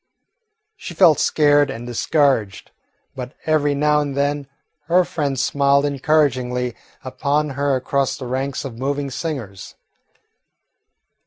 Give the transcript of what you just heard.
She felt scared and discouraged, but every now and then her friend smiled encouragingly upon her across the ranks of moving singers.